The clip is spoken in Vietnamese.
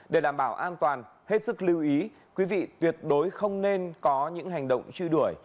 để đảm bảo an toàn hết sức lưu ý quý vị tuyệt đối không nên có những hành động truy đuổi